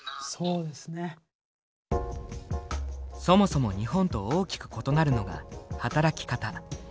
そもそも日本と大きく異なるのが働き方。